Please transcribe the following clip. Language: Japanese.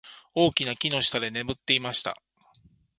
大きな木の下で眠っていました。